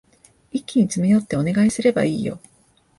一気に詰め寄ってお願いすればいいよ。